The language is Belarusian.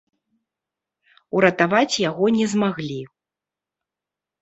Уратаваць яго не змаглі.